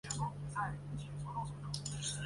该省有发展水力发电和铜矿业的条件。